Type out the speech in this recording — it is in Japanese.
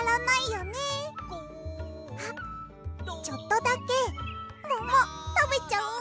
あっちょっとだけももたべちゃおう。